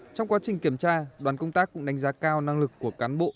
trong quá trình kiểm tra đoàn công tác cũng đánh giá cao năng lực của cán bộ